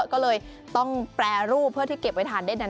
ก็เลยต้องแปรรูปเพื่อที่เก็บไว้ทานได้นาน